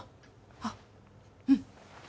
あっ、うん。